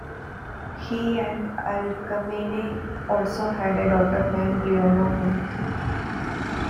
He and Alcmene also had a daughter named Laonome.